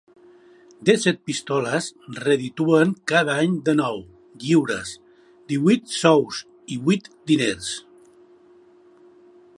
Dèsset pistoles redituen cada any dènou lliures, díhuit sous i huit diners.